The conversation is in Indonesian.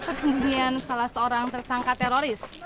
persembunyian salah seorang tersangka teroris